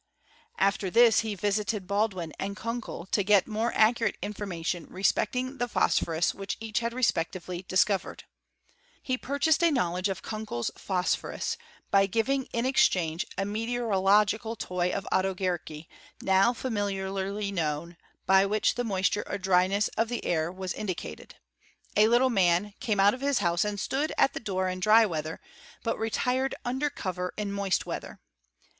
After this he visited Baldwin and Kunkel, to get more accurate information respecting the phosphorns which each had respectively discovered. He pur chsLsed a knowledge of Kunkel's phosphorus, by giving in exchange a meteorological toy of Otto Guericke, now familiarly known, by which the mois^ ture or dryness of the air was indicated — a little man came out of his house and stood at the door in dry weather, but retired under cover in moist weather.